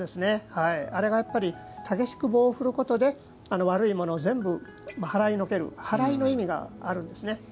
あれが、やっぱり激しく棒を振ることで悪いものを全部はらいのけるはらいの意味があるんですね。